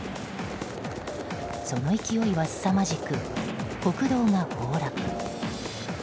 その勢いは、すさまじく国道が崩落。